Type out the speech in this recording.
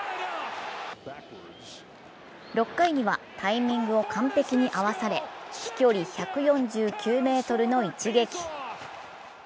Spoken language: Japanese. ６回にはタイミングを完璧に合わされ飛距離１４９ｍの一撃。